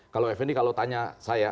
kalau fnd kalau tanya saya